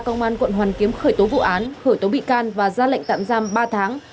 công an quận hoàn kiếm khởi tố vụ án khởi tố bị can và ra lệnh tạm giam ba tháng